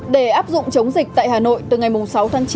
để áp dụng chống dịch tại hà nội từ ngày sáu tháng chín